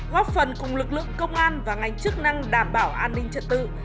góp phần cùng lực lượng công an và ngành chức năng đảm bảo an ninh trật tự